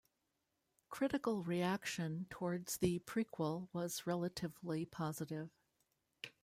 Critical reaction towards the prequel was relatively positive.